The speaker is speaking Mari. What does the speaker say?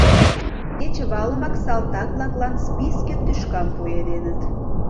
Кечывалымак салтак-влаклан списке тӱшкам пуэденыт.